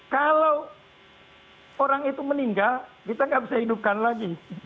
kalau orang itu meninggal kita nggak bisa hidupkan lagi